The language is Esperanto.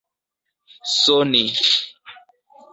soni